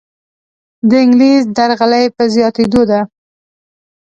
دانګلیس درغلۍ په زیاتیدو ده.